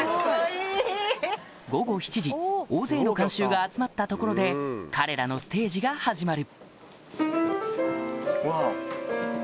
午後７時大勢の観衆が集まったところで彼らのステージが始まる